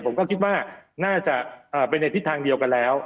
ผมก็คิดว่าน่าจะไปในทิศทางเดียวกันแล้ว